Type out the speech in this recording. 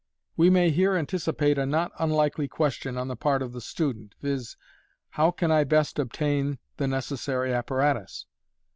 We may here anticipate a not unlikely question on the part of the student — viz., " How can I best obtain the necessary apparatus